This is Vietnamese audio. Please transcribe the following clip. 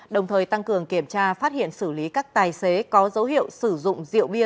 đồng thời tăng cường kiểm tra phát hiện xử lý các tài xế có dấu hiệu sử dụng rượu bia